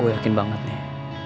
gue yakin banget nih